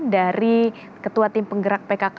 dari ketua tim penggerak pkk